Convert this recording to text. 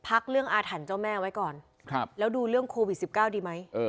พักเรื่องอาถรรพ์เจ้าแม่ไว้ก่อนแล้วดูเรื่องโควิด๑๙ดีไหม